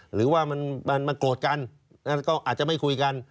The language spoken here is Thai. หรือว่ามันโกรธกันก็อาจจะไม่คุยกัน